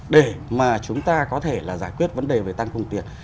để mà chúng ta có thể là giải quyết vấn đề về tăng khủng tiền